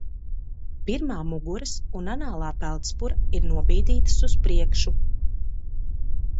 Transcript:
Pirmā muguras un anālā peldspura ir nobīdītas uz priekšu.